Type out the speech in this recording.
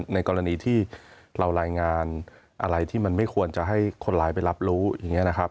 ในกรณีที่เรารายงานอะไรที่มันไม่ควรจะให้คนร้ายไปรับรู้อย่างนี้นะครับ